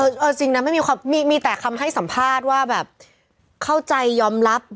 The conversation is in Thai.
เอาจริงนะไม่มีมีแต่คำให้สัมภาษณ์ว่าแบบเข้าใจยอมรับ